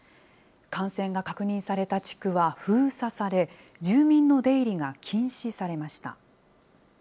感染が確認された地区は封鎖され、住民の出入りが禁止されました。